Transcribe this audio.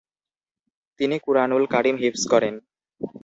তিনি কুরআনুল কারিম হিফজ করেন।